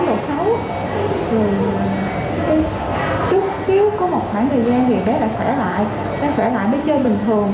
rồi chút xíu có một khoảng thời gian thì bé đã khỏe lại đã khỏe lại mới chơi bình thường